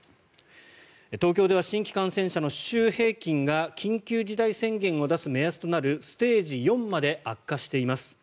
東京では新規感染者の週平均が緊急事態宣言を出す目安となるステージ４まで悪化しています。